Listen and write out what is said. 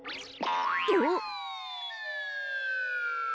おっ！